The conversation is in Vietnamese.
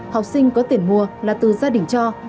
học sinh có tiền mua là từ gia đình cho